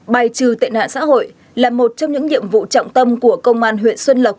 bài trừ tệ nạn xã hội là một trong những nhiệm vụ trọng tâm của công an huyện xuân lộc